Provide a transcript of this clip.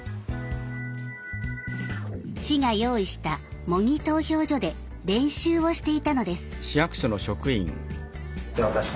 市が用意した模擬投票所で練習をしていたのです。